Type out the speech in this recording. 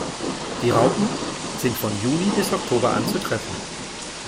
Die Raupen sind von Juni bis Oktober anzutreffen.